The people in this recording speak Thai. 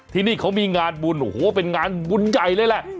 ที่นี่เขามีงานบุญโอ้โหเป็นงานบุญใหญ่เลยแหละ